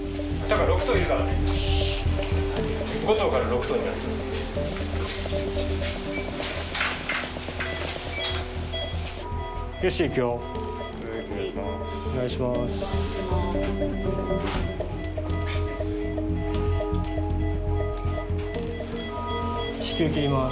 ６頭お願いします